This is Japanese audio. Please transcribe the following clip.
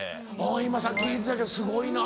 今さっき言うてたけどすごいな。